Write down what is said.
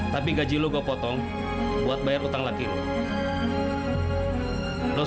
tapi gaji kamu aku potong untuk bayar hutang laki kamu